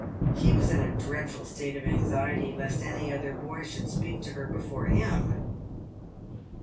He was in a dreadful state of anxiety lest any other boy should speak to her before him.